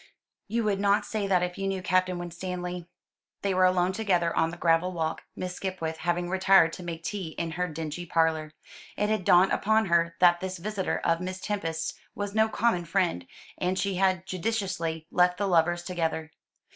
"You would not say that if you knew Captain Winstanley." They were alone together on the gravel walk, Miss Skipwith having retired to make tea in her dingy parlour. It had dawned upon her that this visitor of Miss Tempest's was no common friend; and she had judiciously left the lovers together.